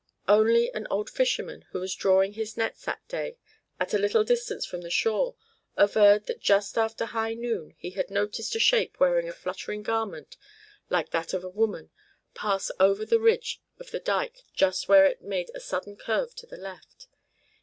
Only an old fisherman, who was drawing his nets that day at a little distance from the shore, averred that just after high noon he had noticed a shape wearing a fluttering garment like that of a woman pass slowly over the ridge of the dike just where it made a sudden curve to the left.